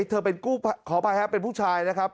เธอเป็นผู้ชายนะครับ